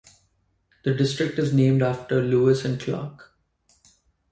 The district is named after Lewis and Clark.